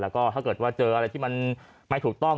แล้วก็ถ้าเจออะไรที่มันไม่ถูกต้อง